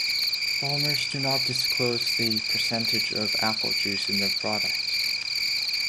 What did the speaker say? Bulmers do not disclose the percentage of apple juice in their product.